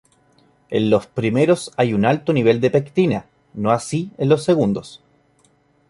En los primeros hay un alto nivel de pectina, no así en los segundos.